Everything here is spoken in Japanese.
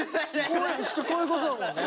こういうことだもんね。